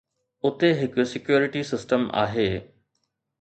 اتي هڪ security system آهي.